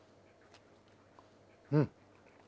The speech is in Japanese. うん。